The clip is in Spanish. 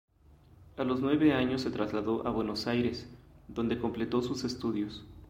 A los nueve años se trasladó a Buenos Aires, donde completó sus estudios.